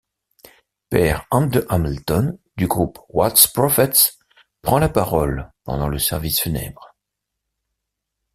Père Amde Hamilton, du groupe Watts Prophets, prend la parole pendant le service funèbre.